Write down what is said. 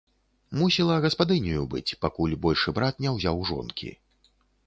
Мусіла гаспадыняю быць, пакуль большы брат не ўзяў жонкі.